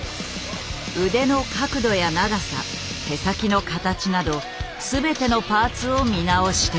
腕の角度や長さ手先の形など全てのパーツを見直してみる。